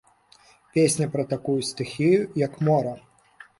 Песня пра такую стыхію, як мора.